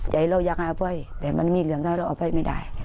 ใจเราอยากให้เอาไว้แต่มันไม่มีเรื่องถ้าเราเอาไว้ไม่ได้